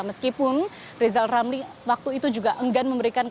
meskipun rizal ramli waktu itu juga enggan memberikan